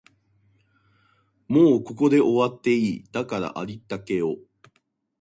もうここで終わってもいい、だからありったけを